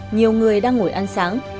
nhiều người đang ngồi ăn sáng